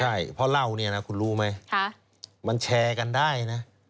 ใช่เพราะเล่าเนี่ยนะคุณรู้ไหมมันแชร์กันได้นะ